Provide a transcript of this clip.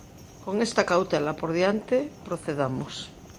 Con esta cautela por diante, procedamos.